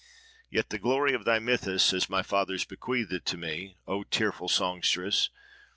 Yet the glory of thy mythus, as my fathers bequeathed it to me, O tearful songstress!